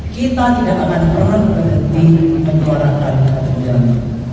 kita tidak akan berhenti mengeluarkan kebencian